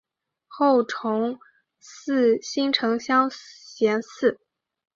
后崇祀新城乡贤祠。